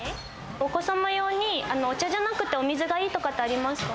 お子様用に、お茶じゃなくて、お水がいいとかってありますか？